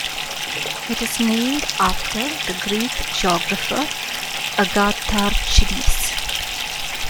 It is named after the Greek geographer Agatharchides.